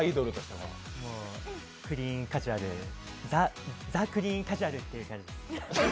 クリーンカジュアルザ・クリーンカジュアルって感じ。